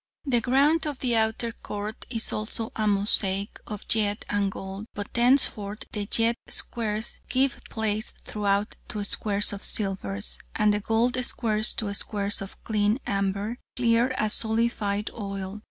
The ground of the outer court is also a mosaic of jet and gold: but thenceforth the jet squares give place throughout to squares of silver, and the gold squares to squares of clear amber, clear as solidified oil.